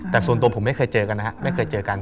แต่ส่วนตัวผมไม่เคยเจอกันนะฮะไม่เคยเจอกัน